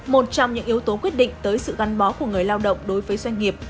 một trong những yếu tố quyết định tới sự gắn bó của người lao động đối với doanh nghiệp